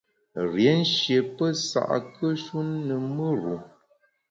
Rié nshié pesa’kùe-shu ne mùr-u.